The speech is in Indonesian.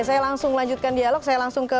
saya langsung lanjutkan dialog saya langsung ke